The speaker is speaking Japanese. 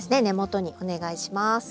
根元にお願いします。